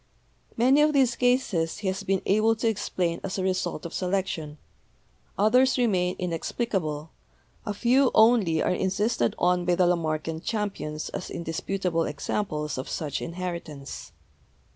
Many of these cases he has been able to explain as a result of selection; others remain inex plicable; a few only are insisted on by the Lamarckian,* FACTORS OTHER THAN SELECTION 229 champions as indisputable examples of such inheritance..